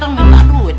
tiap dateng minta duit